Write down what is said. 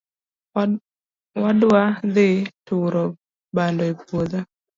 Wadwa dhi turo bando e puodho